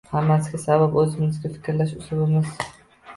Hammasiga sabab — o‘zimizning fikrlash uslubimiz.